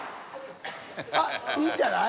あっいいんじゃない？